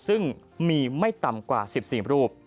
ซึ่งมีไม่ต่ำกว่า๑๔รูป